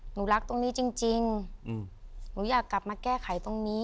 หนูรักตรงนี้จริงหนูอยากกลับมาแก้ไขตรงนี้